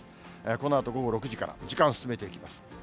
このあと午後６時から、時間進めていきます。